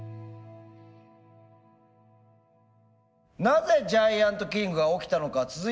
なぜジャイアントキリングが起きたのか続いて。